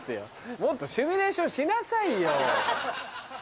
もっとシミュレーションしなさいよ。